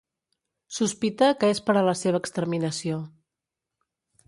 Sospita que és per a la seva exterminació.